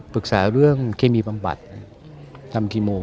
ปรึกษาเรื่องเคมีบำบัดทำคีโม